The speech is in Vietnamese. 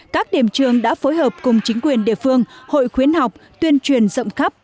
các điểm trường đã phối hợp cùng chính quyền địa phương hội khuyến học tuyên truyền rộng khắp